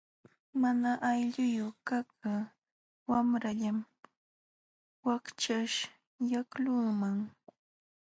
Mana aylluyuq kaqkaq wayrallam wakchaśhyaqlunman.